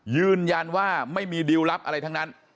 ยืนยันว่าไม่มีดิวลลับอะไรทั้งนั้น